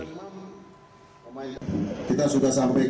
kita sudah selesai